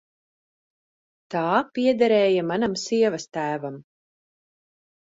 Tā piederēja manam sievastēvam.